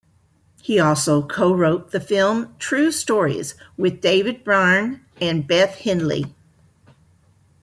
He also co-wrote the film "True Stories" with David Byrne and Beth Henley.